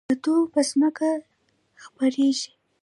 کدو په ځمکه خپریږي